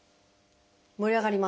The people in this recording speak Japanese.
盛り上がります。